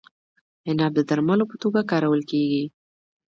عناب د درملو په توګه کارول کیږي.